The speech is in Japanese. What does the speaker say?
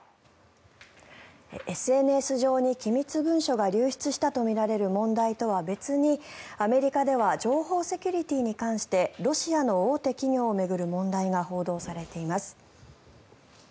ＳＮＳ上に機密文書が流出されたとみられる問題とは別にアメリカでは情報セキュリティーに関してロシアの大手企業を巡る問題が報道されています。